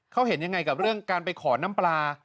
เขาเห็นยังไงกับเรื่องการไปขอน้ำปลา